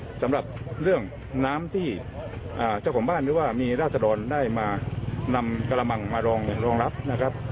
สำหรับเรื่องน้ำที่เจ้าของบ้านหรือว่ามีราศดรได้มานำกระมังมารองรองรับนะครับ